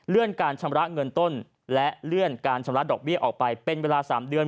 การชำระเงินต้นและเลื่อนการชำระดอกเบี้ยออกไปเป็นเวลา๓เดือน